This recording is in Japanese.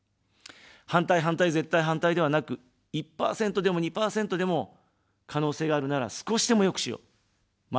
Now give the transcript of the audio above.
反対、反対、絶対反対ではなく、１％でも２％でも可能性があるなら少しでも良くしよう、前に進めよう。